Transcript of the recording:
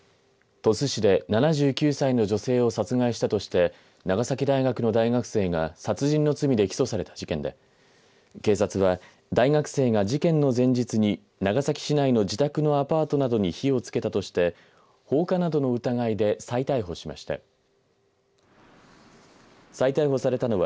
鳥栖市で７９歳の女性を殺害したとして長崎大学の大学生が殺人の罪で起訴された事件で警察は、大学生が事件の前日に長崎市内の自宅のアパートなどに火をつけたとして放火などの疑いで再逮捕しました。